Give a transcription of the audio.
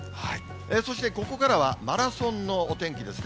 そして、ここからはマラソンのお天気ですね。